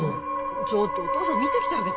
ちょっとお父さん見てきてあげて・